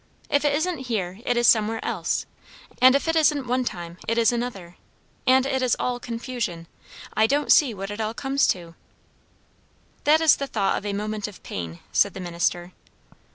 If it isn't here, it is somewhere else; and if it isn't one time, it is another; and it is all confusion. I don't see what it all comes to." "That is the thought of a moment of pain," said the minister.